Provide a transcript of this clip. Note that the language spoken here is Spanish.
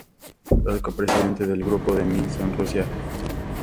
Los Copresidentes del grupo de Minsk son Rusia, Francia.